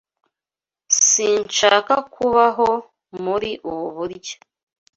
Sinshaka kubaho muri ubu buryo.